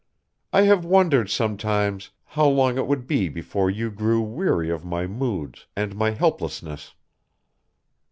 I have wondered sometimes how long it would be before you grew weary of my moods and my helplessness."